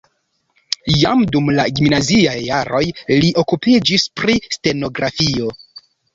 Jam dum la gimnaziaj jaroj li okupiĝis pri stenografio.